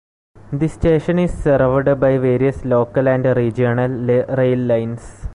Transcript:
The station is served by various local and regional rail lines.